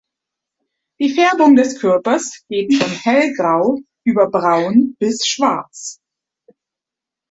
Die Färbung des Körpers geht von Hellgrau über Braun bis Schwarz.